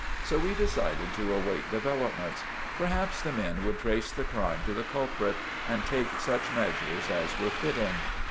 So we decided to await developments. Perhaps the men would trace the crime to the culprit, and take such measures as were fitting.